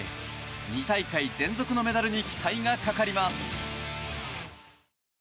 ２大会連続のメダルに期待がかかります。